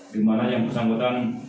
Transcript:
di mana yang bersangkutan